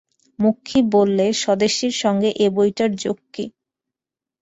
মক্ষী বললে, স্বদেশীর সঙ্গে এ বইটার যোগ কী?